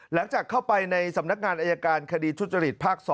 หลังจากเข้าไปในสำนักงานอายการคดีทุจริตภาค๒